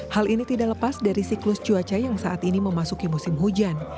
hal ini tidak lepas dari siklus cuaca yang saat ini memasuki musim hujan